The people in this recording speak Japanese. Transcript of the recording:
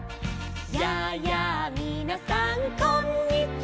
「やあやあみなさんこんにちは」